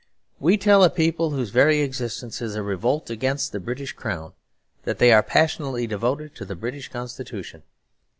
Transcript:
We tell a people whose very existence is a revolt against the British Crown that they are passionately devoted to the British Constitution.